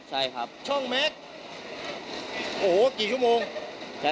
ใช่ครับผมเป็นพนักงานรถเสริมครับ